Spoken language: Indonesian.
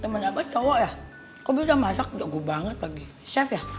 temen abah cowok ya kok bisa masak jago banget lagi chef ya